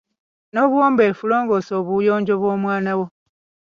N'obuwombeefu longoosa obuyonjo bw'omwana wo.